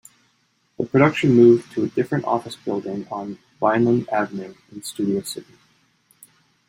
The production moved to a different office building on Vineland Avenue in Studio City.